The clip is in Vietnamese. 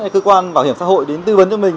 hay cơ quan bảo hiểm xã hội đến tư vấn cho mình